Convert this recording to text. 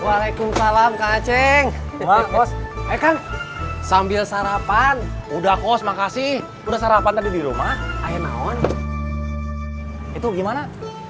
waalaikumsalam kaceng sambil sarapan udah kos makasih udah sarapan tadi di rumah itu gimana